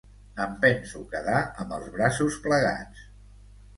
Em penso quedar amb els braços plegats.